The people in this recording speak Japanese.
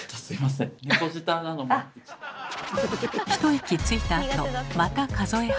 一息ついたあとまた数え始めます。